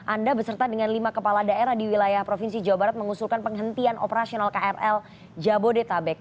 anda beserta dengan lima kepala daerah di wilayah provinsi jawa barat mengusulkan penghentian operasional krl jabodetabek